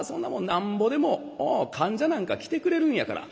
なんぼでも患者なんか来てくれるんやから」。